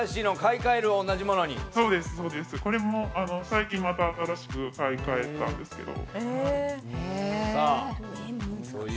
これも最近また新しく買い換えたんですけど。